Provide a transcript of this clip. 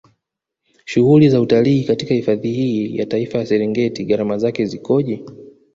Shughuli za utalii katika hifadhi hii ya Taifa ya Serengeti Gharama zake zikoje